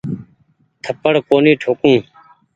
ٿپڙ ڪونيٚ ٺوڪون ۔